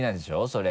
それ。